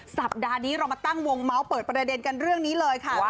สัปดาห์นี้เรามาตั้งวงเมาส์เปิดประเด็นกันเรื่องนี้เลยค่ะ